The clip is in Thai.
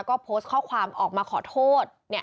ก็โพสต์ข้อความออกมาขอโทษ